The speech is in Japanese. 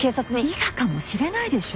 伊賀かもしれないでしょ。